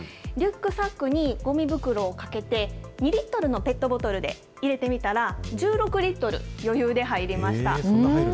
リュックサックにごみ袋をかけて、２リットルのペットボトルで入れてみたら、１６リットル余裕で入りました。